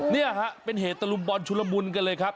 เนี่ยฮะเป็นเหตุรมบรชุลบุญกันเลยครับ